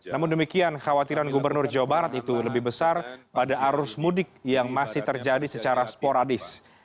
namun demikian khawatiran gubernur jawa barat itu lebih besar pada arus mudik yang masih terjadi secara sporadis